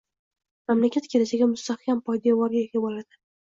mamlakat kelajagi mustahkam poydevorga ega bo‘ladi.